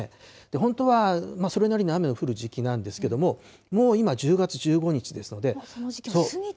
本当はそれなりに雨の降る時期なんですけれども、もう今１０月１もうその時期が過ぎて。